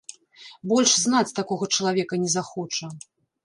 Больш знаць такога чалавека не захоча.